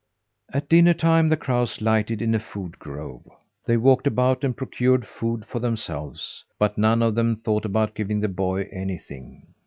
At dinner time the crows lighted in a food grove. They walked about and procured food for themselves, but none of them thought about giving the boy anything.